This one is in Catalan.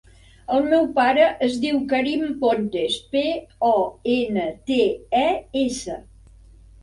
El meu pare es diu Karim Pontes: pe, o, ena, te, e, essa.